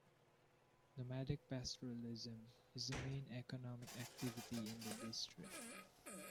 Nomadic pastoralism is the main economic activity in the district.